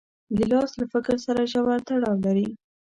ګیلاس له فکر سره ژور تړاو لري.